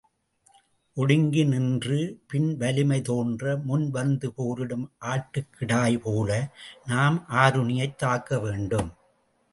ஒடுங்கி நின்று, பின்வலிமை தோன்ற முன் வந்து போரிடும் ஆட்டுக்கிடாய்போல நாம் ஆருணியைத் தாக்கவேண்டும்.